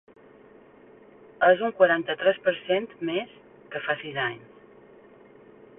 És un quaranta-tres per cent més que fa sis anys.